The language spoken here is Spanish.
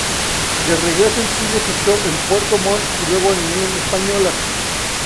De regreso en Chile fichó en Puerto Montt y luego en Unión Española.